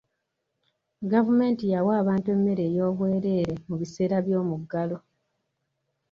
Gavumenti yawa abantu emmere ey'obwereere mu biseera by'omuggalo.